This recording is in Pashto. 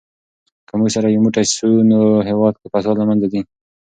که موږ سره یو موټی سو نو هېواد کې فساد له منځه ځي.